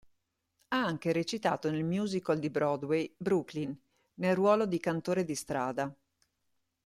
Ha anche recitato nel musical di Broadway "Brooklyn" nel ruolo del cantore di strada.